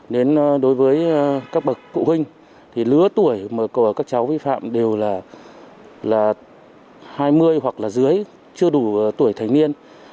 đến đối với các bậc cụ huynh thì lứa tuổi của các cháu vi phạm đều là hai mươi hoặc là dưới chưa đủ tuổi thanh niên